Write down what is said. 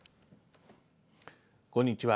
こんにちは。